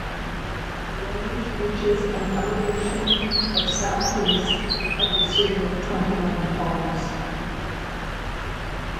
The range reaches an elevation of southeast of the city of Twentynine Palms.